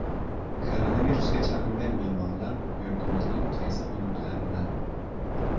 Koronavirusga chalingan bemorlar yurtimizning qaysi hududlaridan?